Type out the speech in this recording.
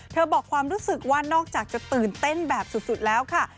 บอกความรู้สึกว่านอกจากจะตื่นเต้นแบบสุดแล้วค่ะ